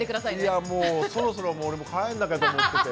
いやもうそろそろ俺も帰んなきゃと思ってて。